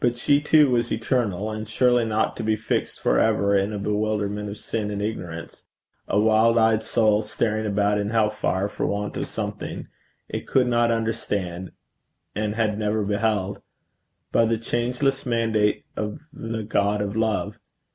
But she too was eternal and surely not to be fixed for ever in a bewilderment of sin and ignorance a wild eyed soul staring about in hell fire for want of something it could not understand and had never beheld by the changeless mandate of the God of love!